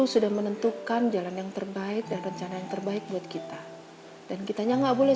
sudah menentukan jalan yang terbaik dan rencana yang terbaik buat kita dan kitanya nggak boleh